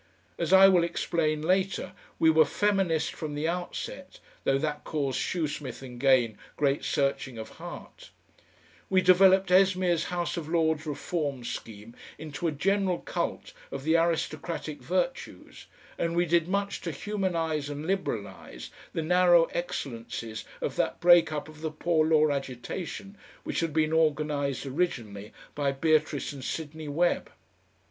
As I will explain later, we were feminist from the outset, though that caused Shoesmith and Gane great searching of heart; we developed Esmeer's House of Lords reform scheme into a general cult of the aristocratic virtues, and we did much to humanise and liberalise the narrow excellencies of that Break up of the Poor Law agitation, which had been organised originally by Beatrice and Sidney Webb.